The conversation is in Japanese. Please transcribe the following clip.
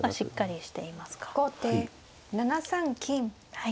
はい。